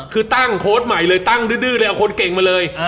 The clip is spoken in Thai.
คือตั้งโค้ดใหม่เลยตั้งดื้อเลยเอาคนเก่งมาเลย